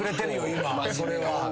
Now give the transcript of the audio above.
今それは。